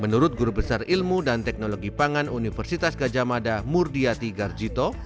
menurut guru besar ilmu dan teknologi pangan universitas gajah mada murdiati garjito